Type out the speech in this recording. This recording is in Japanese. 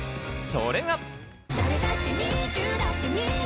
それが。